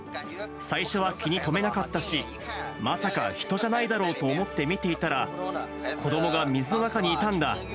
最初は気に留めなかったし、まさか人じゃないだろうと思って見ていたら、子どもが水の中にいたんだ。